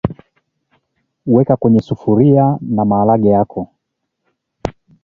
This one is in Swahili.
weka kwenye sufuria naharage yako